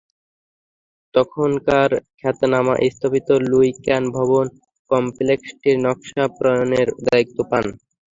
তখনকার খ্যাতনামা স্থপতি লুই কান ভবন কমপ্লেক্সটির নকশা প্রণয়নের দায়িত্ব পান।